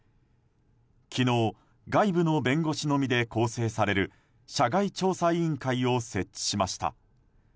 昨日、外部の弁護士のみで構成される社外調査委員会を設置しました。